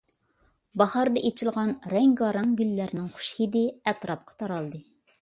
باھاردا ئېچىلغان رەڭگارەڭ گۈللەرنىڭ خۇش ھىدى ئەتراپقا تارالدى.